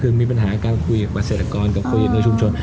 คือมีปัญหาการคุยกับเกษตรกรกับคนอยู่ในชุมชน